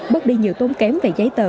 bớt đi nhiều tốn kém về giấy tờ